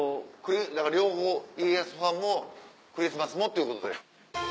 だから両方家康ファンもクリスマスもっていうことで。